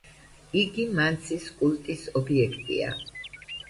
იგი მანსის კულტის ობიექტია.